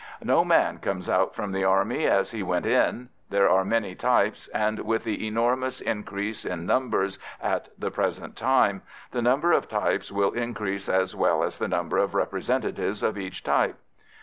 No man comes out from the Army as he went in; there are many types, and with the enormous increase in numbers at the present time, the number of types will increase as well as the number of representatives of each type.